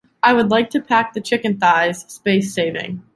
I would like to pack the chicken thighs space-saving